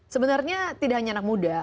sebenarnya tidak hanya anak muda